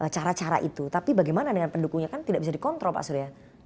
cara cara itu tapi bagaimana dengan pendukungnya kan tidak bisa dikontrol pak surya